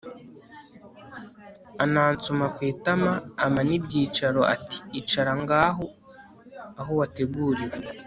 anansoma kwitama ampa nibyicaro ati icara ngaho aho wateguriwe